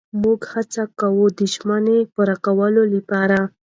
موږ هڅه کوو د ژمنو پوره کولو لپاره.